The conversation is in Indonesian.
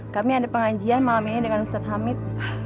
kami ada pengajian malam ini dengan ustadz hamid